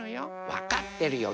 わかってるよ